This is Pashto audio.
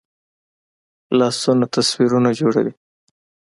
لاسونه تصویرونه جوړوي